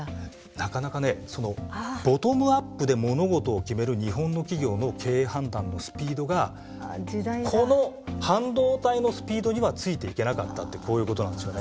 なかなかねボトムアップで物事を決める日本の企業の経営判断のスピードがこの半導体のスピードにはついていけなかったってこういうことなんですよね。